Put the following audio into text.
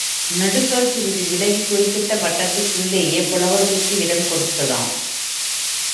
நடுகல் சிறிது விலகிக் குறிப்பிட்ட வட்டத்துக்குள்ளேயே புலவர்க்கும் இடம் கொடுத்ததாம்.